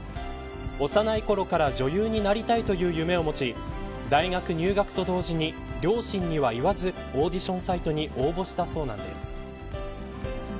幼いころから女優になりたいという夢を持ち大学入学と同時に両親には言わずオーディションサイトに応募したそうなんです。